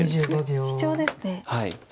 シチョウですね。